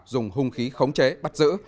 dùng hung khí khống chế bắt giữ